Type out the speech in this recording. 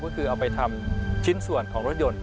ก็คือเอาไปทำชิ้นส่วนของรถยนต์